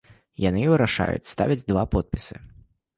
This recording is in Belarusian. Яны і вырашаюць, ставяць два подпісы.